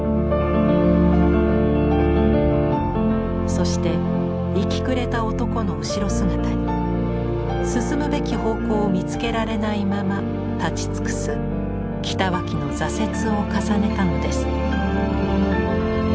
そして行きくれた男の後ろ姿に進むべき方向を見つけられないまま立ち尽くす北脇の挫折を重ねたのです。